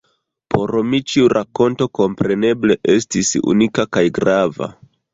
Por mi ĉiu rakonto kompreneble estis unika kaj grava.